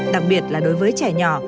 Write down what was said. đặc biệt là đối với trẻ nhỏ